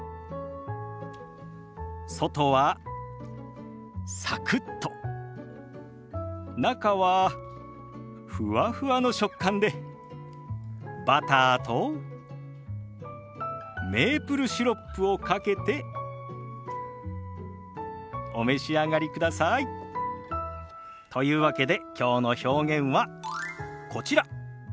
外はサクッと中はふわふわの食感でバターとメープルシロップをかけてお召し上がりください。というわけできょうの表現はこちら。